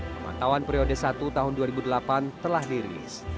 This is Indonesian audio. pemantauan periode satu tahun dua ribu delapan telah dirilis